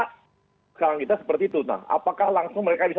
sekarang kita seperti itu apakah langsung mereka bisa